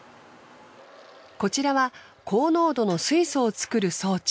こちらは高濃度の水素を作る装置。